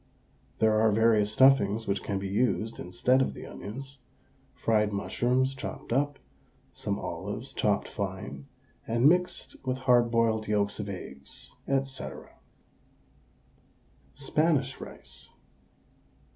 There are various stuffings which can be used instead of the onions fried mushrooms chopped up, some olives chopped fine and mixed with hard boiled yolks of eggs, &c. SPANISH RICE.